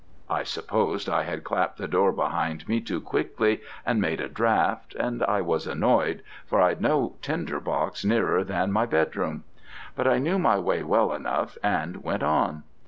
I supposed I had clapped the door behind me too quick, and made a draught, and I was annoyed, for I'd no tinder box nearer than my bedroom. But I knew my way well enough, and went on.